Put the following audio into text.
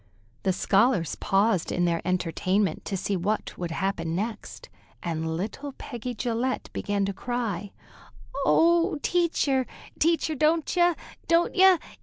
The scholars paused in their entertainment to see what would happen next, and little Peggy Gillette began to cry: "Oh, Teacher, Teacher, don't ye! don't ye!